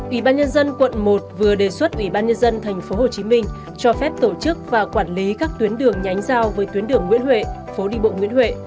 ủy ban nhân dân quận một vừa đề xuất ủy ban nhân dân tp hcm cho phép tổ chức và quản lý các tuyến đường nhánh giao với tuyến đường nguyễn huệ phố đi bộ nguyễn huệ